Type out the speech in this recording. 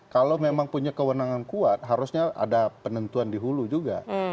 kalau memang punya kewenangan kuat harusnya ada penentuan di hulu juga